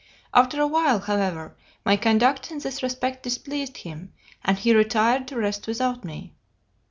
After a while, however, my conduct in this respect displeased him, and he retired to rest without me.